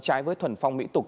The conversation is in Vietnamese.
trái với thuần phong mỹ tục